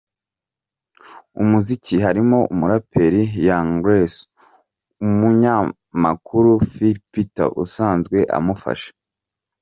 umuziki harimo umuraperi Young Grace, umunyamakuru Phill Peter usanzwe amufasha.